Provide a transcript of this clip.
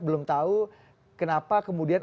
belum tahu kenapa kemudian